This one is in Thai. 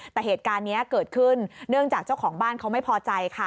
แต่เหตุการณ์นี้เกิดขึ้นเนื่องจากเจ้าของบ้านเขาไม่พอใจค่ะ